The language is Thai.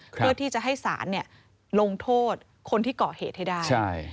เพื่อที่จะให้ศาลลงโทษคนที่ก่อเหตุให้ได้